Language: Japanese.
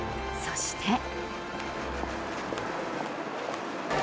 そして。